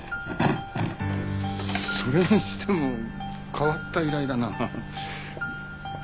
それにしても変わった依頼だなあ。